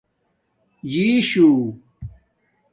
جوݵیشو